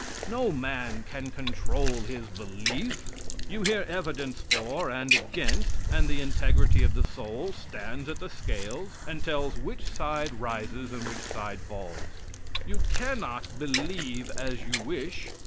No man can control his belief. You hear evidence for and against, and the integrity of the soul stands at the scales and tells which side rises and which side falls. You cannot believe as you wish.